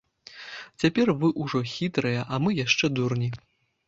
Цяпер вы ўжо хітрыя, а мы яшчэ дурні.